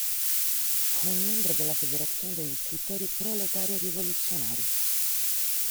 Fu un membro della Federazione degli scrittori proletario-rivoluzionari.